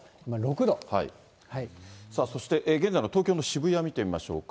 さあ、そして現在の東京の渋谷見てみましょうか。